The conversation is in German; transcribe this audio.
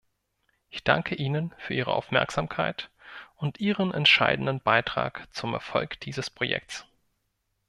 Ich danke Ihnen für Ihre Aufmerksamkeit und Ihren entscheidenden Beitrag zum Erfolg dieses Projekts.